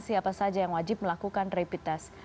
siapa saja yang wajib melakukan rapid test